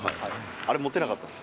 あれ、持てなかったっす。